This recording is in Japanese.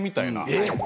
えっ！